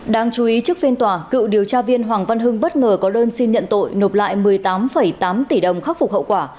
đáng chú ý trước phiên tòa cựu điều tra viên hoàng văn hưng bất ngờ có đơn xin nhận tội nộp lại một mươi tám tám tỷ đồng khắc phục hậu quả